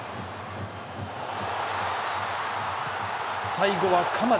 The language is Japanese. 最後は鎌田。